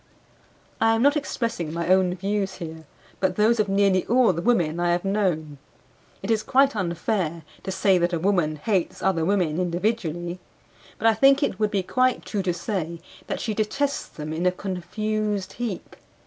I am not expressing my own views here, but those of nearly all the women I have known. It is quite unfair to say that a woman hates other women individually; but I think it would be quite true to say that she detests them in a confused heap.